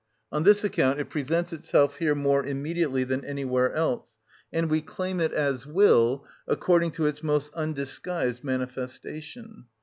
On this account it presents itself here more immediately than anywhere else, and we claim it as will, according to its most undisguised manifestation.